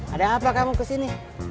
ada apa kamu kesini